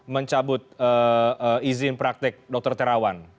mencabut izin praktek dokter terawan